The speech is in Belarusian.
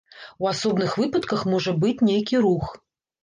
У асобных выпадках можа быць нейкі рух.